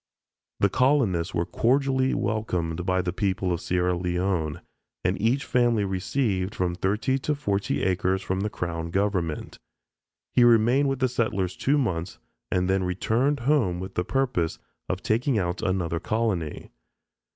The colonists were cordially welcomed by the people of Sierra Leone, and each family received from thirty to forty acres from the Crown Government. He remained with the settlers two months and then returned home with the purpose of taking out another colony.